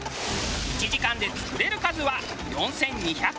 １時間で作れる数は４２００貫。